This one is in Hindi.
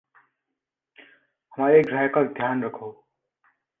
हमारे ग्रह का ध्यान रखो।